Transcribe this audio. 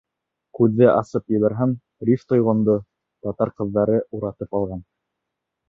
Күҙҙе асып ебәрһәм, Риф Тойғондо татар ҡыҙҙары уратып алған.